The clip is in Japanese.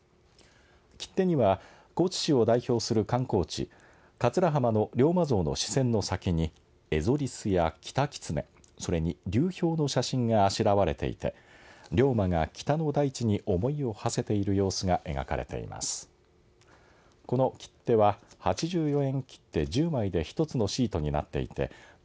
切手には高知市を代表する観光地桂浜の龍馬像の視線の先にエゾリスやキタキツネそれに流氷の写真があしらわれていて龍馬が北の大地に思いをはせている様子が描かれています。